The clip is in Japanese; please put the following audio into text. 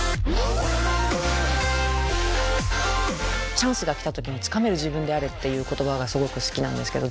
チャンスが来た時につかめる自分であれっていう言葉がすごく好きなんですけど。